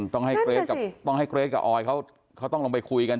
ต้องให้เกรทกับต้องให้เกรทกับออยเขาต้องลงไปคุยกัน